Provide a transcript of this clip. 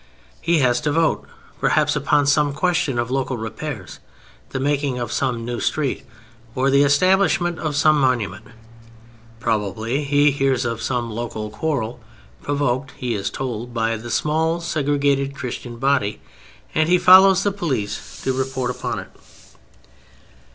He has to vote, perhaps, upon some question of local repairs, the making of some new street, or the establishment of some monument. Probably he hears of some local quarrel provoked (he is told) by the small, segregated Christian body, and he follows the police report upon it.